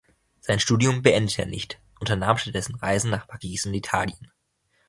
Sein Studium beendete er nicht, unternahm stattdessen Reisen nach Paris und Italien.